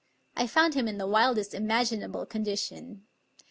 I found him in the wildest imagi nable condition.